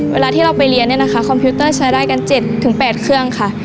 เวลาที่เราไปเรียนเนี่ยนะคะคอมพิวเตอร์ใช้ได้กัน๗๘เครื่องค่ะ